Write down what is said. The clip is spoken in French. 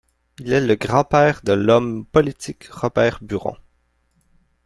Il est le grand-père de l'homme politique Robert Buron.